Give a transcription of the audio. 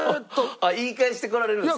言い返してこられるんですね。